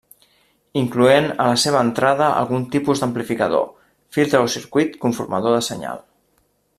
Incloent a la seva entrada algun tipus d'amplificador, filtre o circuit conformador de senyal.